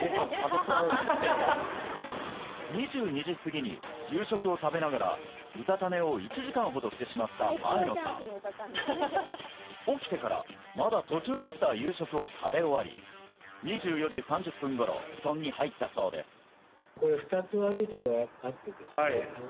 ２２時すぎに夕食を食べながらうたた寝を１時間ほどしてしまった前野さん起きてからまだ途中だった夕食を食べ終わり２４時３０分頃布団に入ったそうです